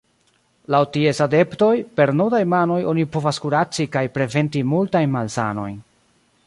Laŭ ties adeptoj, per nudaj manoj oni povas kuraci kaj preventi multajn malsanojn.